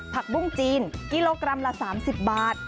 ผักบุ้งจีนกิโลกรัมละ๓๐บาท